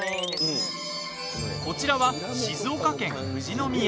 こちらは、静岡県富士宮。